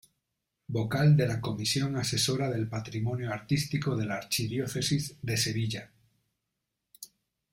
Vocal de la Comisión Asesora del Patrimonio Artístico de la Archidiócesis de Sevilla.